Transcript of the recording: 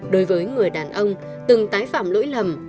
đối với người đàn ông từng tái phạm lỗi lầm